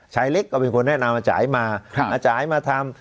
ชายเล็กก็เป็นคนแนะนำอาจ่ายมาอาจ่ายมาทำ